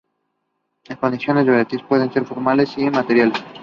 Las condiciones de validez pueden ser formales y materiales.